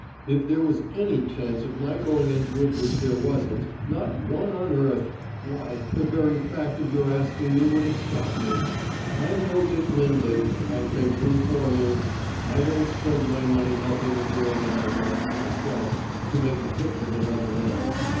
If there was any chance of my going into it which there wasn't, not one on earth why, the very fact of your asking me would have stopped me. I'm no Dick Lindley, I beg to inform you: I don't spend my money helping a girl that I want, myself, to make a hit with another man.